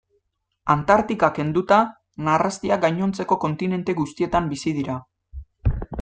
Antartika kenduta, narrastiak gainontzeko kontinente guztietan bizi dira.